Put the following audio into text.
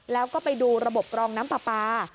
แล้วก็ไปดูระบบกรองน้ำปลาปลา